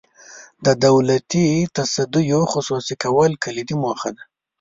د دولتي تصدیو خصوصي کول کلیدي موخه ده.